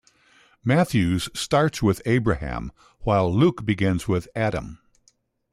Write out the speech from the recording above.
Matthew's starts with Abraham, while Luke begins with Adam.